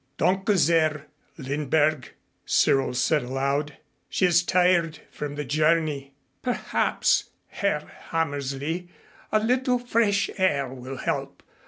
"Danke sehr, Lindberg," Cyril said aloud. "She is tired from the journey." "Perhaps, Herr Hammersley, a little fresh air will help.